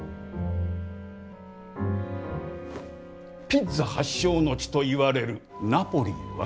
ピッツァ発祥の地といわれるナポリは？